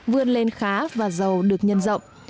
vươn lên khá và giàu được nhân rộng